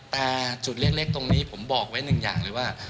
แต่จุดเล็กตรงนี้ผมบอกไว้หนึ่งอย่างเลยว่า